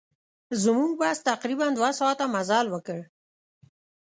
زموږ بس تقریباً دوه ساعته مزل وکړ.